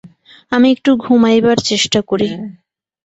আমি একটু ঘুমাইবার চেষ্টা করি।